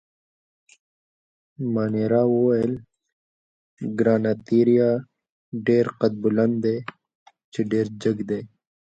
مانیرا وویل: ګراناتیریا ډېر قدبلند دي، چې ډېر جګ دي.